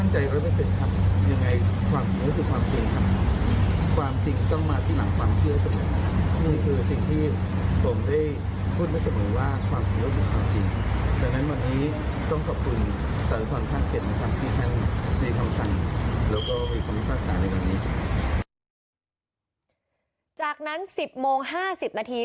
จากนั้น๑๐โมง๕๐นาที